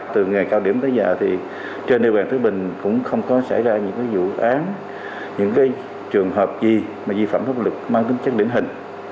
từ ngày cao điểm tới giờ thì trên địa bàn thứ bình cũng không có xảy ra những vụ án những trường hợp gì mà di phẩm pháp lực mang tính chất lĩnh hình